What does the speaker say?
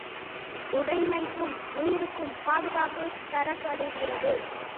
உடைமைக்கும் உயிர்க்கும் பாதுகாப்புத் தரப்படுகிறது.